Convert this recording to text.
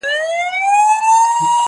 زه دي باغ نه وينم، ته وا تارو درغلی.